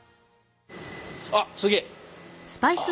あっすげえ。